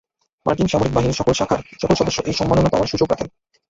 মার্কিন সামরিক বাহিনীর সকল শাখার, সকল সদস্য এই সম্মাননা পাওয়ার সুযোগ রাখেন।